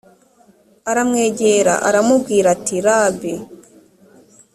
aramwegera aramubwira ati rabi